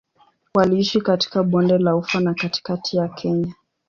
Waliishi katika Bonde la Ufa na katikati ya Kenya.